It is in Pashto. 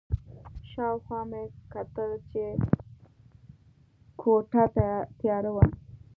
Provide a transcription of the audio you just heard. شا او خوا مې وکتل چې کوټه تیاره وه.